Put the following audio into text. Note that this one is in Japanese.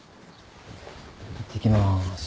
いってきます。